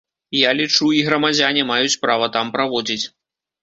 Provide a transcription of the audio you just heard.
Я лічу, і грамадзяне маюць права там праводзіць.